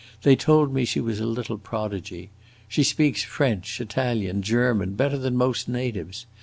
They told me she was a little prodigy. She speaks French, Italian, German, better than most natives.